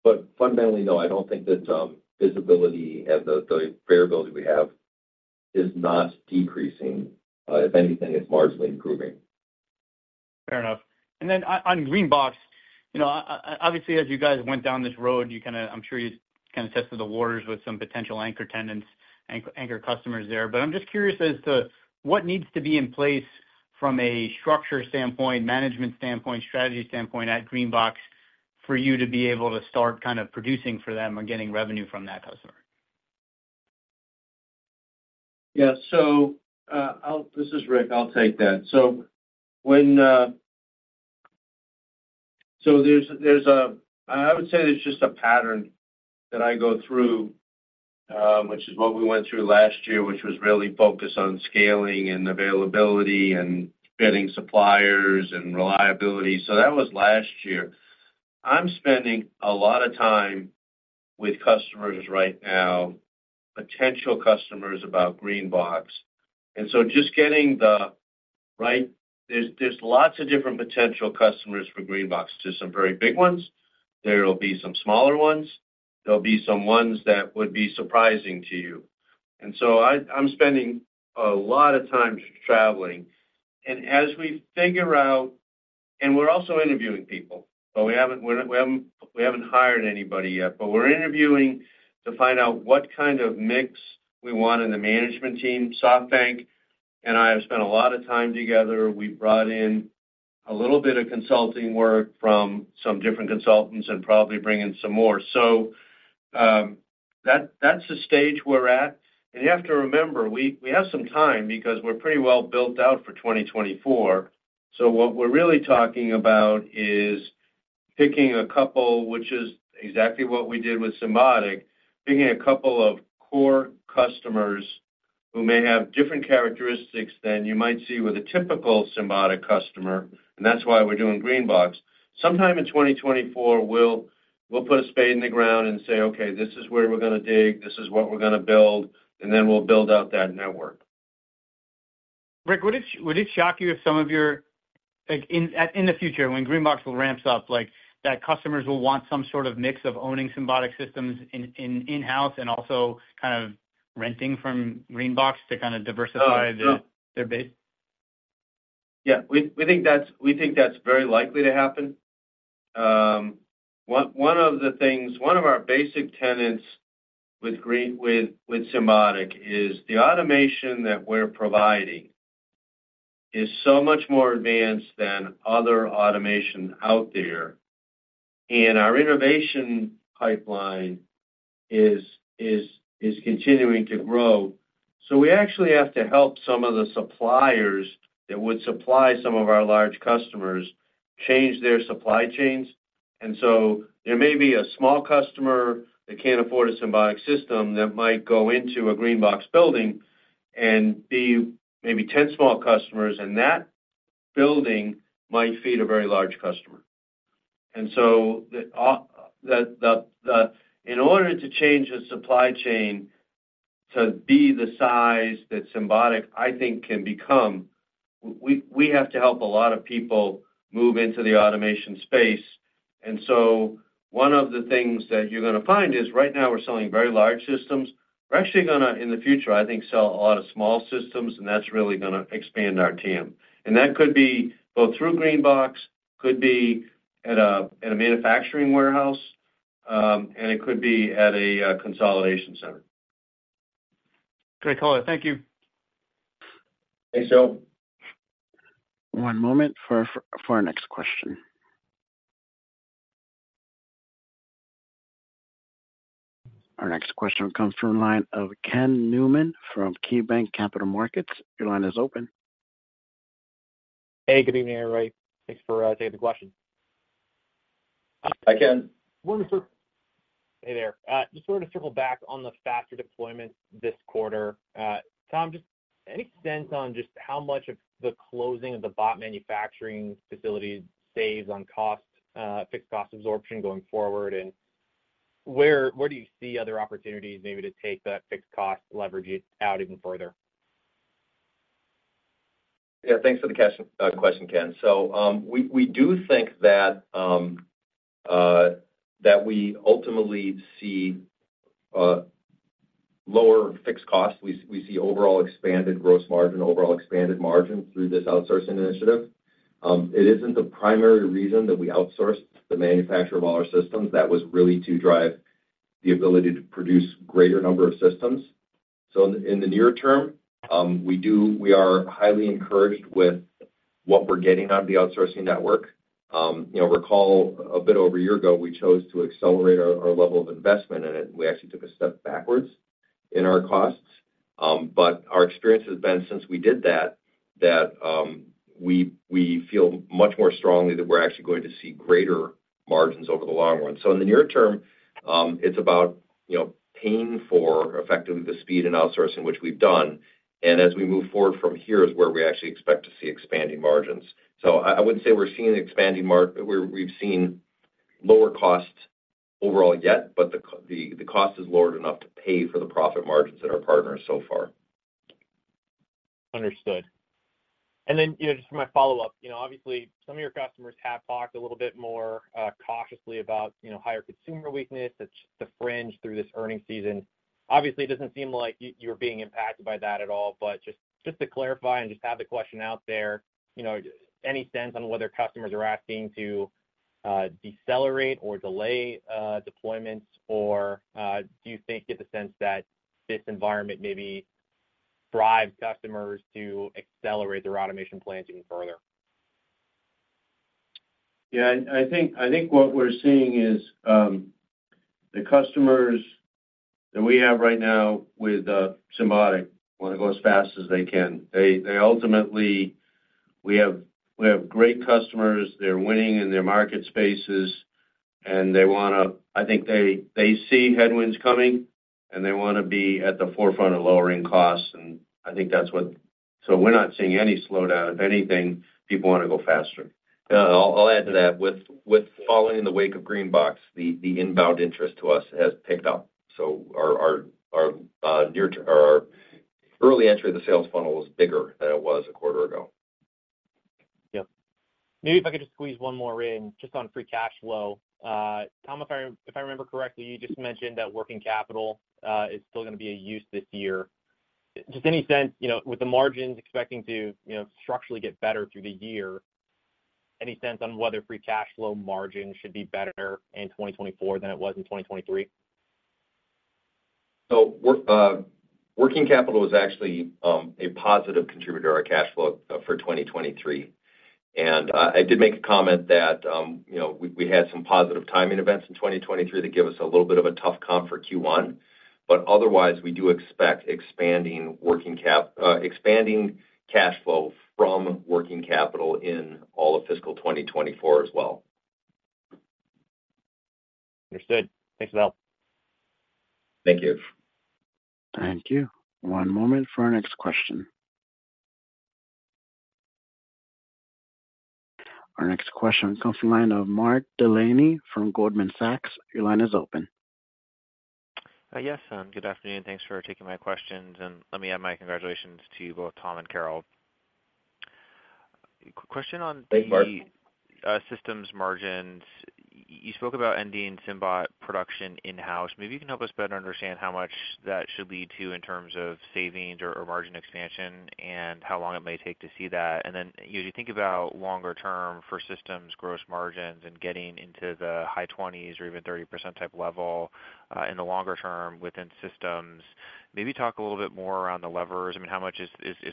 But fundamentally, no, I don't think that, visibility and the, the variability we have is not decreasing. If anything, it's marginally improving. Fair enough. And then on GreenBox, you know, obviously, as you guys went down this road, you kind of. I'm sure you kind of tested the waters with some potential anchor tenants, anchor customers there. But I'm just curious as to what needs to be in place from a structure standpoint, management standpoint, strategy standpoint at GreenBox, for you to be able to start kind of producing for them or getting revenue from that customer? Yeah. So, this is Rick. I'll take that. So there's a pattern that I go through, which is what we went through last year, which was really focused on scaling and availability and vetting suppliers and reliability. So that was last year. I'm spending a lot of time with customers right now, potential customers about GreenBox. And so just getting the right, there's lots of different potential customers for GreenBox. There's some very big ones, there will be some smaller ones, there'll be some ones that would be surprising to you. And so I'm spending a lot of time traveling. As we figure out and we're also interviewing people, but we haven't hired anybody yet, but we're interviewing to find out what kind of mix we want in the management team. SoftBank and I have spent a lot of time together. We've brought in a little bit of consulting work from some different consultants and probably bring in some more. So, that, that's the stage we're at. And you have to remember, we have some time because we're pretty well built out for 2024. So what we're really talking about is picking a couple, which is exactly what we did with Symbotic, picking a couple of core customers who may have different characteristics than you might see with a typical Symbotic customer, and that's why we're doing GreenBox. Sometime in 2024, we'll put a spade in the ground and say: "Okay, this is where we're gonna dig, this is what we're gonna build, and then we'll build out that network. Rick, would it shock you if some of your... Like, in the future, when GreenBox will ramp up, like, that customers will want some sort of mix of owning Symbotic systems in-house and also kind of renting from GreenBox to kind of diversify- Oh, sure. Their base? Yeah, we think that's very likely to happen. One of the things, one of our basic tenets with GreenBox—with Symbotic is the automation that we're providing is so much more advanced than other automation out there, and our innovation pipeline is continuing to grow. So we actually have to help some of the suppliers that would supply some of our large customers change their supply chains. And so there may be a small customer that can't afford a Symbotic system that might go into a GreenBox building and be maybe 10 small customers, and that building might feed a very large customer. And so, in order to change the supply chain to be the size that Symbotic, I think, can become, we have to help a lot of people move into the automation space. One of the things that you're gonna find is, right now, we're selling very large systems. We're actually gonna, in the future, I think, sell a lot of small systems, and that's really gonna expand our team. That could be both through GreenBox, could be at a manufacturing warehouse, and it could be at a consolidation center. Great call. Thank you. Thanks, Joe. One moment for our next question. Our next question comes from the line of Ken Newman from KeyBanc Capital Markets. Your line is open. Hey, good evening, everybody. Thanks for taking the question. Hi, Ken. Hey there. Just wanted to circle back on the faster deployment this quarter. Tom, just any sense on just how much of the closing of the bot manufacturing facility saves on cost, fixed cost absorption going forward? And where, where do you see other opportunities maybe to take that fixed cost, leverage it out even further? Yeah, thanks for the question, Ken. So, we do think that we ultimately see lower fixed costs. We see overall expanded gross margin, overall expanded margin through this outsourcing initiative. It isn't the primary reason that we outsourced the manufacture of all our systems. That was really to drive the ability to produce greater number of systems. So in the near term, we are highly encouraged with what we're getting out of the outsourcing network. You know, recall a bit over a year ago, we chose to accelerate our level of investment in it. We actually took a step backwards in our costs. But our experience has been since we did that, we feel much more strongly that we're actually going to see greater margins over the long run. So in the near term, it's about, you know, paying for effectively the speed and outsourcing, which we've done. As we move forward from here, is where we actually expect to see expanding margins. So I wouldn't say we're seeing expanding margins. We've seen lower costs overall yet, but the cost is lowered enough to pay for the profit margins that our partners so far. Understood. And then, you know, just for my follow-up, you know, obviously some of your customers have talked a little bit more cautiously about, you know, higher consumer weakness. That's the refrain through this earnings season. Obviously, it doesn't seem like you, you're being impacted by that at all, but just, just to clarify and just have the question out there, you know, any sense on whether customers are asking to decelerate or delay deployments? Or do you think, get the sense that this environment maybe drives customers to accelerate their automation plans even further? Yeah, I think what we're seeing is the customers that we have right now with Symbotic wanna go as fast as they can. They ultimately... We have great customers. They're winning in their market spaces, and they wanna—I think they see headwinds coming... and they want to be at the forefront of lowering costs, and I think that's what— So we're not seeing any slowdown. If anything, people want to go faster. Yeah, I'll add to that. With following in the wake of GreenBox, the inbound interest to us has picked up. So our near-term or our early entry in the sales funnel is bigger than it was a quarter ago. Yep. Maybe if I could just squeeze one more in, just on free cash flow. Tom, if I, if I remember correctly, you just mentioned that working capital is still going to be a use this year. Just any sense, you know, with the margins expecting to, you know, structurally get better through the year, any sense on whether free cash flow margin should be better in 2024 than it was in 2023? Working capital was actually a positive contributor to our cash flow for 2023. I did make a comment that, you know, we had some positive timing events in 2023 that give us a little bit of a tough comp for Q1. But otherwise, we do expect expanding cash flow from working capital in all of fiscal 2024 as well. Understood. Thanks a lot. Thank you. Thank you. One moment for our next question. Our next question comes from the line of Mark Delaney from Goldman Sachs. Your line is open. Yes, good afternoon, and thanks for taking my questions, and let me add my congratulations to you both, Tom and Carol. Question on the- Thanks, Mark. Systems margins. You spoke about ending SymBot production in-house. Maybe you can help us better understand how much that should lead to in terms of savings or margin expansion, and how long it may take to see that. And then as you think about longer term for systems gross margins and getting into the high 20s or even 30% type level in the longer term within systems, maybe talk a little bit more around the levers. I mean, how much is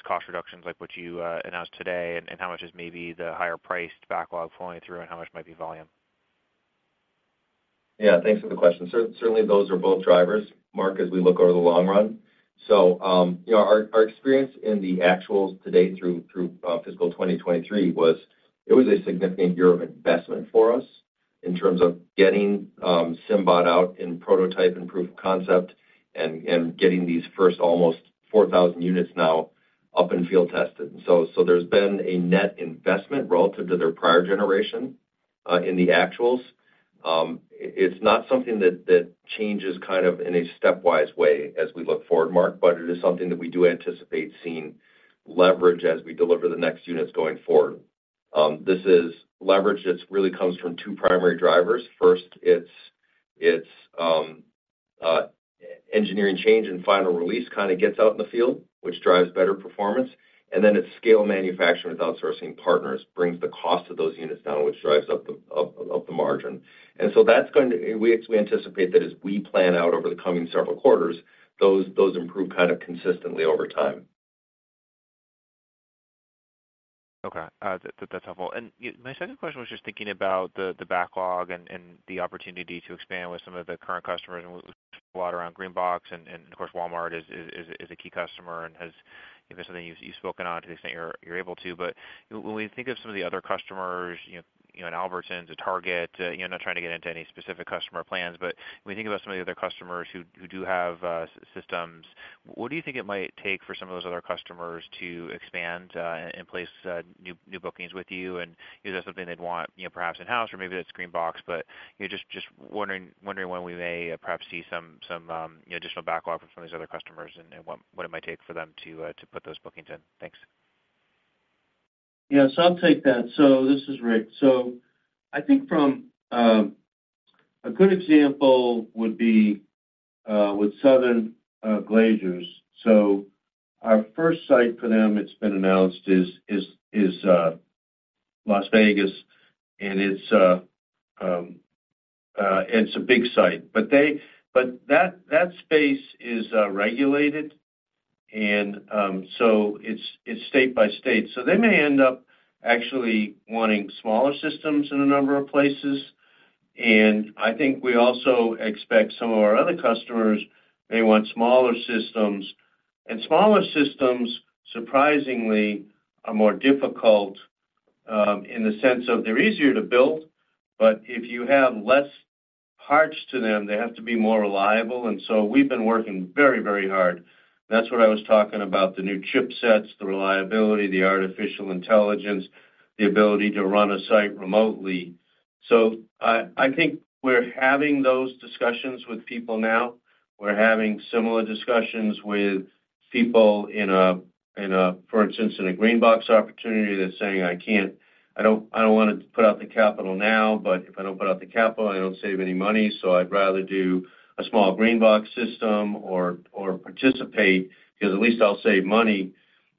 cost reductions like what you announced today, and how much is maybe the higher priced backlog flowing through, and how much might be volume? Yeah, thanks for the question. Certainly, those are both drivers, Mark, as we look over the long run. So, you know, our experience in the actuals to date through fiscal 2023 was, it was a significant year of investment for us in terms of getting SymBot out in prototype and proof of concept and getting these first almost 4,000 units now up and field tested. So there's been a net investment relative to their prior generation in the actuals. It's not something that changes kind of in a stepwise way as we look forward, Mark, but it is something that we do anticipate seeing leverage as we deliver the next units going forward. This is leverage that's really comes from two primary drivers. First, it's engineering change and final release kind of gets out in the field, which drives better performance, and then it's scale manufacturing with outsourcing partners, brings the cost of those units down, which drives up the margin. And so that's going to... We anticipate that as we plan out over the coming several quarters, those improve kind of consistently over time. Okay, that's helpful. My second question was just thinking about the backlog and the opportunity to expand with some of the current customers, and a lot around GreenBox and, of course, Walmart is a key customer and has, you know, something you've spoken on to the extent you're able to. But when we think of some of the other customers, you know, in Albertsons, Target, you know, not trying to get into any specific customer plans, but when we think about some of the other customers who do have systems, what do you think it might take for some of those other customers to expand and place new bookings with you? Is that something they'd want, you know, perhaps in-house, or maybe it's GreenBox, but, you know, just wondering when we may perhaps see some, you know, additional backlog from some of these other customers, and what it might take for them to put those bookings in. Thanks. Yes, I'll take that. So this is Rick. So I think from a good example would be with Southern Glazer's. So our first site for them, it's been announced, is Las Vegas, and it's a big site. But they, but that space is regulated, and so it's state by state. So they may end up actually wanting smaller systems in a number of places, and I think we also expect some of our other customers may want smaller systems. And smaller systems, surprisingly, are more difficult in the sense of they're easier to build, but if you have less parts to them, they have to be more reliable, and so we've been working very, very hard. That's what I was talking about, the new chipsets, the reliability, the artificial intelligence, the ability to run a site remotely. So I, I think we're having those discussions with people now. We're having similar discussions with people in a, in a, for instance, in a GreenBox opportunity that's saying, "I can't—I don't, I don't want to put out the capital now, but if I don't put out the capital, I don't save any money, so I'd rather do a small GreenBox system or, or participate, because at least I'll save money."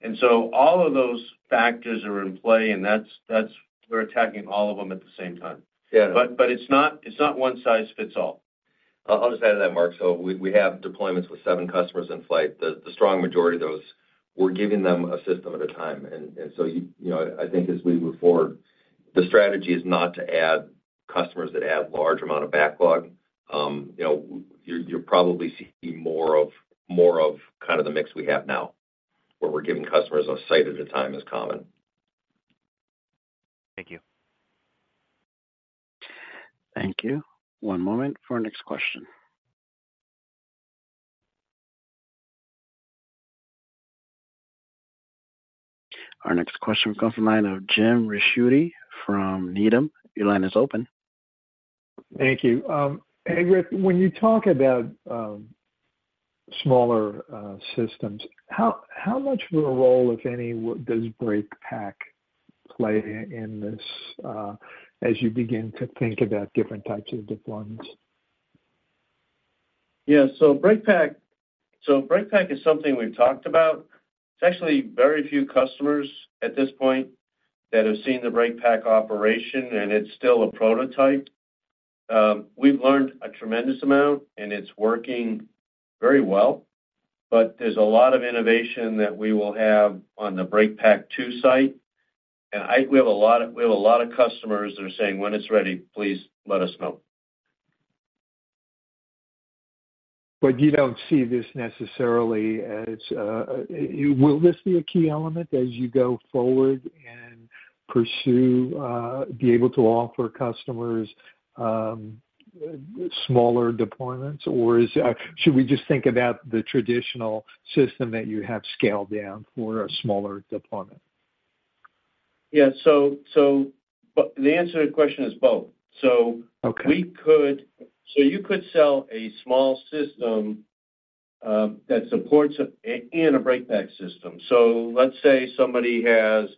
And so all of those factors are in play, and that's, that's, we're attacking all of them at the same time. Yeah. But it's not one size fits all. I'll just add to that, Mark. So we have deployments with seven customers in flight. The strong majority of those, we're giving them a system at a time. And so, you know, I think as we move forward, the strategy is not to add customers that add large amount of backlog. You know, you're probably seeing more of kind of the mix we have now, where we're giving customers a site at a time is common. Thank you. Thank you. One moment for our next question. Our next question comes from the line of Jim Ricchiuti from Needham. Your line is open. Thank you. Hey Rick, when you talk about smaller systems, how much of a role, if any, does BreakPack play in this, as you begin to think about different types of deployments? Yeah. So BreakPack... So BreakPack is something we've talked about. It's actually very few customers at this point that have seen the BreakPack operation, and it's still a prototype. We've learned a tremendous amount, and it's working very well, but there's a lot of innovation that we will have on the BreakPack 2 site. We have a lot of, we have a lot of customers that are saying, "When it's ready, please let us know. But you don't see this necessarily as... Will this be a key element as you go forward and pursue be able to offer customers smaller deployments? Or should we just think about the traditional system that you have scaled down for a smaller deployment? Yeah, so, but the answer to the question is both. Okay. So you could sell a small system, that supports a, in a BreakPack system. So let's say somebody has,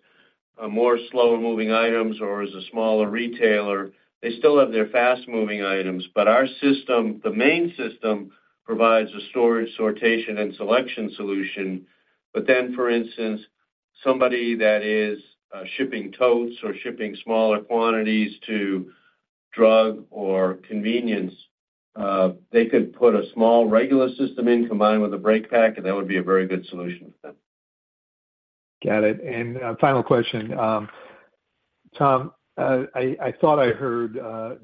more slower moving items or is a smaller retailer, they still have their fast-moving items. But our system, the main system, provides a storage, sortation, and selection solution. But then, for instance, somebody that is, shipping totes or shipping smaller quantities to drug or convenience, they could put a small regular system in combined with a BreakPack, and that would be a very good solution for them. Got it. And, final question. Tom, I thought I heard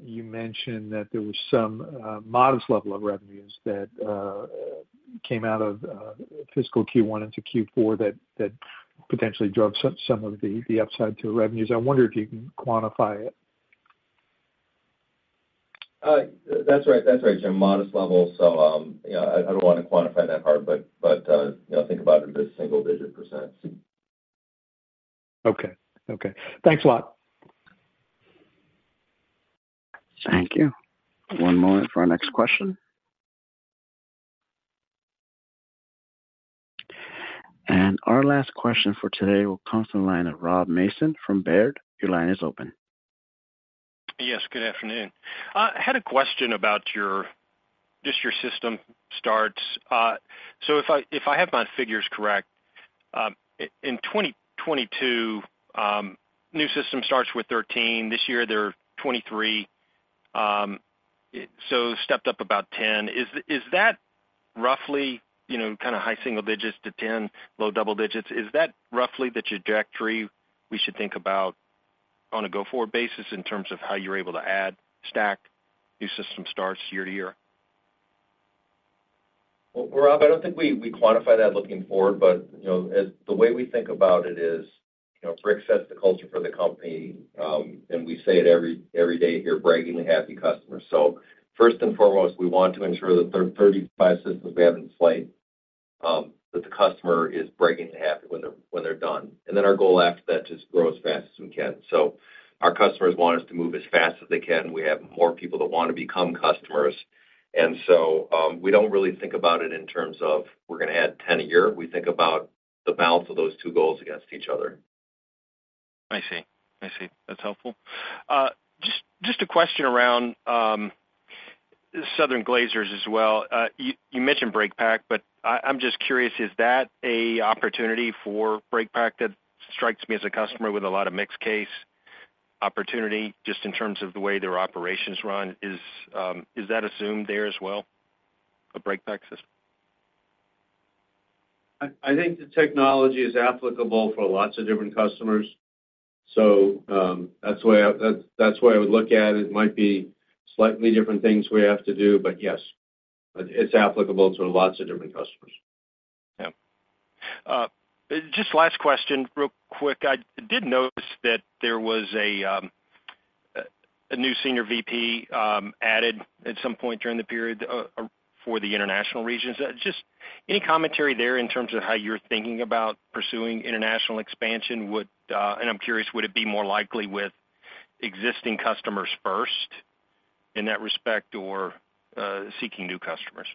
you mention that there was some modest level of revenues that came out of fiscal Q1 into Q4 that potentially drove some of the upside to revenues. I wonder if you can quantify it. That's right. That's right, Jim, modest levels. So, yeah, I don't wanna quantify that part, but, you know, think about it in the single-digit percent. Okay. Okay. Thanks a lot. Thank you. One moment for our next question. Our last question for today comes from the line of Rob Mason from Baird. Your line is open. Yes, good afternoon. I had a question about your, just your system starts. So if I, if I have my figures correct, in 2022, new system starts with 13. This year, they're 23. So stepped up about 10. Is that roughly, you know, kinda high single digits to 10, low double digits, the trajectory we should think about on a go-forward basis in terms of how you're able to add, stack new system starts year to year? Well, Rob, I don't think we quantify that looking forward, but, you know, as the way we think about it is, you know, Rick sets the culture for the company, and we say it every day here, bragging to happy customers. So first and foremost, we want to ensure that the 35 systems we have in slate, that the customer is bragging and happy when they're done. And then our goal after that is just grow as fast as we can. So our customers want us to move as fast as they can. We have more people that wanna become customers, and so, we don't really think about it in terms of we're gonna add 10 a year. We think about the balance of those two goals against each other. I see. I see. That's helpful. Just, just a question around Southern Glazer's as well. You, you mentioned BreakPack, but I'm just curious, is that a opportunity for BreakPack? That strikes me as a customer with a lot of mixed case opportunity, just in terms of the way their operations run. Is that assumed there as well, a BreakPack system? I think the technology is applicable for lots of different customers. So, that's the way I would look at it. It might be slightly different things we have to do, but yes, it's applicable to lots of different customers. Yeah. Just last question, real quick. I did notice that there was a new Senior VP added at some point during the period for the international regions. Just any commentary there in terms of how you're thinking about pursuing international expansion? And I'm curious, would it be more likely with existing customers first in that respect or seeking new customers?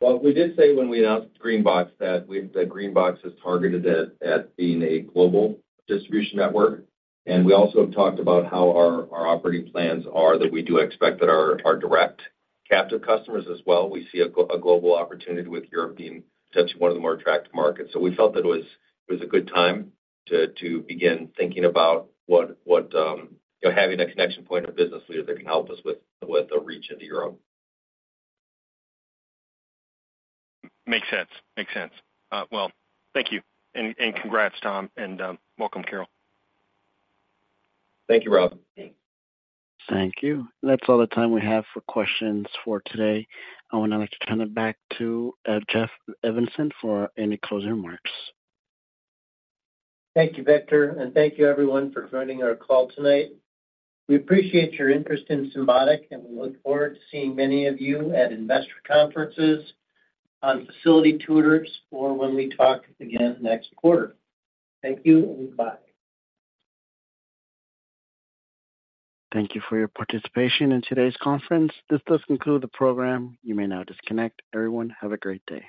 Well, we did say when we announced GreenBox that GreenBox is targeted at being a global distribution network, and we also have talked about how our operating plans are, that we do expect that our direct captive customers as well, we see a global opportunity with Europe being potentially one of the more attractive markets. So we felt that it was a good time to begin thinking about what, you know, having that connection point of business leader that can help us with a reach into Europe. Makes sense. Makes sense. Well, thank you, and, and congrats, Tom, and welcome, Carol. Thank you, Rob. Thank you. That's all the time we have for questions for today. I would now like to turn it back to Jeff Evanson for any closing remarks. Thank you, Victor, and thank you, everyone, for joining our call tonight. We appreciate your interest in Symbotic, and we look forward to seeing many of you at investor conferences, on facility tours, or when we talk again next quarter. Thank you, and bye. Thank you for your participation in today's conference. This does conclude the program. You may now disconnect. Everyone, have a great day.